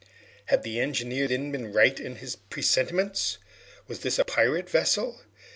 Had the engineer, then, been right in his presentiments? Was this a pirate vessel?